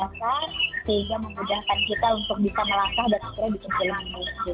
sehingga memudahkan kita untuk bisa melangkah dan segera dikecilkan